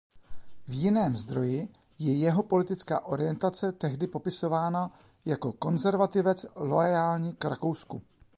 V jiném zdroji je jeho politická orientace tehdy popisována jako konzervativec loajální k Rakousku.